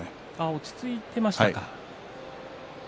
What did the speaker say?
落ち着いていましたか。